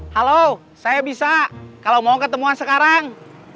halo saya bisa kalau mau ketemuan sekarang